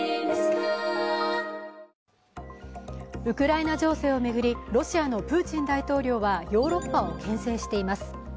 ウクライナ情勢を巡り、ロシアのプーチン大統領はヨーロッパをけん制しています。